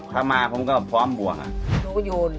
ถ้ามาผมก็พร้อมบ่วง